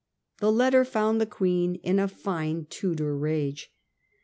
The letter foipd the Queen in a fine Tudor rage.